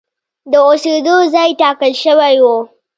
د اوسېدو ځای ټاکل شوی و.